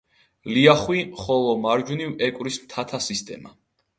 ლიახვი, ხოლო მარჯვნივ ეკვრის მთათა სისტემა.